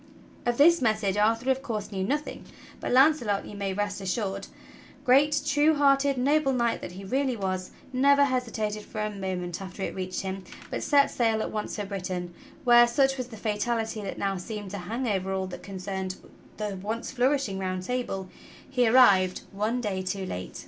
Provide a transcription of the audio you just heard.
Of this message Arthur, of course, knew nothing; but Launcelot, you may rest assured, great, true hearted, noble knight that he really was, never hesitated for a moment after it reached him, but set sail at once for Britain, where — such was the fatality that now seemed to hang over all that concerned the once flourishing Round Table — he arrived one day too late.